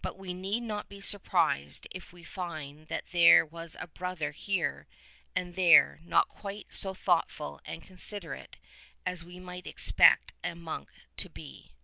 But we need not be surprised if we find that there was a brother here and there not quite so thoughtful and considerate as we might expect a monk to be.